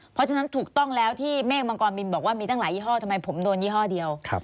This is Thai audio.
เพราะฉะนั้นถูกต้องแล้วที่เมฆมังกรมินบอกว่ามีตั้งหลายยี่ห้อทำไมผมโดนยี่ห้อเดียว